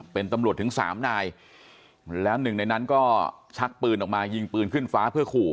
เป็นตำรวจถึงสามนายแล้วหนึ่งในนั้นก็ชักปืนออกมายิงปืนขึ้นฟ้าเพื่อขู่